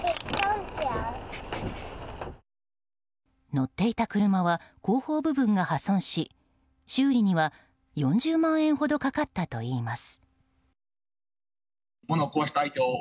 乗っていた車は後方部分が破損し修理には４０万円ほどかかったといいます。